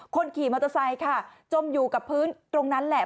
คนขี่มอเตอร์ไซค์ค่ะจมอยู่กับพื้นตรงนั้นแหละ